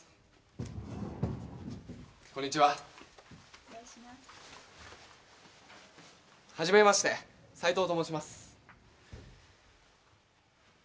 こんにちははじめまして斉藤と申します